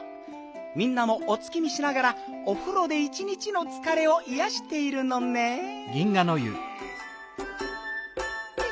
みんなもお月見しながらおふろで一日のつかれをいやしているのねん。